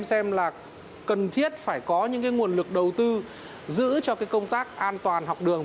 xem là cần thiết phải có những cái nguồn lực đầu tư giữ cho cái công tác an toàn học đường